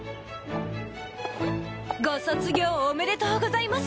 ご卒業おめでとうございます